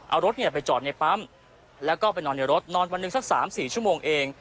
เอารถไปจอดในปั๊มแล้วก็ไปนอนในรถนอนวันหนึ่งสัก๓๔ชั่วโมงเอง